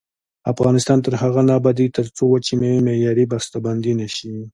افغانستان تر هغو نه ابادیږي، ترڅو وچې میوې معیاري بسته بندي نشي.